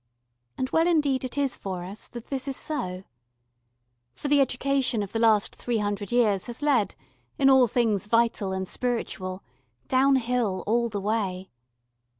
And well indeed it is for us that this is so. For the education of the last three hundred years has led, in all things vital and spiritual, downhill all the way.